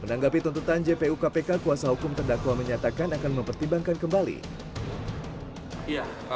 menanggapi tuntutan jpu kpk kuasa hukum terdakwa menyatakan akan mempertimbangkan kembali